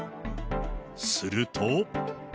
すると。